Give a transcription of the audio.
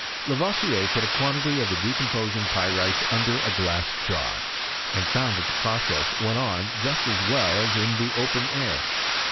Lavoisier put a quantity of the decomposing pyrites under a glass jar, and found that the process went on just as well as in the open air.